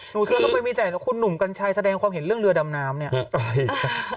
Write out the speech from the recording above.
เธอก็ไปมีแต่คุณหนุ่มกัญชัยแสดงความเห็นเรื่องเรือดำน้ำเนี่ย